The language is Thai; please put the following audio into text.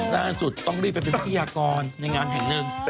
ล่าสุดต้องรีบไปเป็นทรัพยากรในงานแห่งหนึ่ง